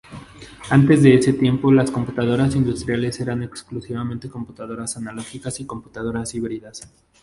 Antes de ese tiempo, las computadoras industriales eran exclusivamente computadoras analógicas y computadoras híbridas.